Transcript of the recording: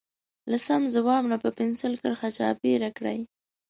له سم ځواب نه په پنسل کرښه چاپېره کړئ.